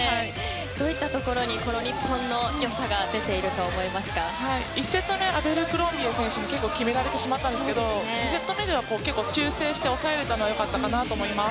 どういったところに日本の良さが出ていると１セット目アベルクロンビエ選手に結構決められてしまったんですが２セット目では修正して抑えれたのは良かったかなと思います。